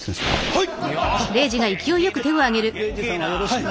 はい。